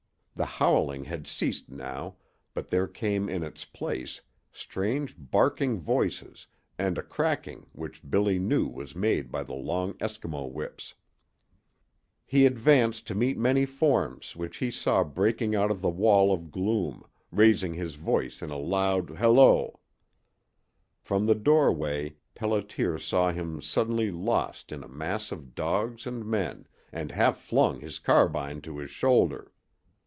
The howling had ceased now, but there came in its place strange barking voices and a cracking which Billy knew was made by the long Eskimo whips. He advanced to meet many dim forms which he saw breaking out of the wall of gloom, raising his voice in a loud holloa. From the Doorway Pelliter saw him suddenly lost in a mass of dogs and men, and half flung his carbine to his shoulder.